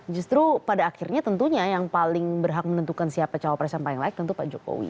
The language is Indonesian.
justru pada akhirnya tentunya yang paling berhak menentukan siapa cawapres yang paling laik tentu pak jokowi